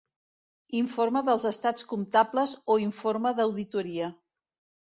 Informe dels estats comptables o informe d'auditoria.